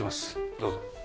どうぞ。